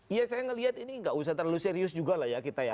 iya saya ngelihat ini gak usah terlalu serius juga lah ya kita ya